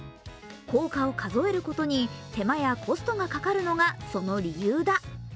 効果を数えることに手間やコストがかかるのがその理由だ。